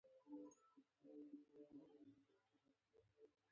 هندوکش د افغانانو د معیشت سرچینه ده.